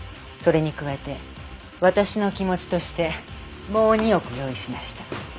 それに加えて私の気持ちとしてもう２億用意しました。